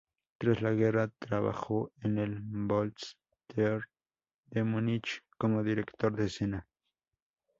Tras la guerra trabajó en el Volkstheater de Munich como director de escena.